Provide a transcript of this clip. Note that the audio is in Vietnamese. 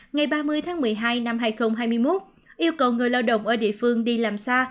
ngày ba mươi tháng một mươi hai năm hai nghìn hai mươi một yêu cầu người lao động ở địa phương đi làm xa